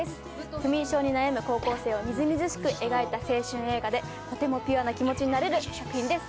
不眠症に悩む高校生をみずみずしく描いた青春映画でとてもピュアな気持ちになれる作品です。